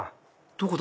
どこ？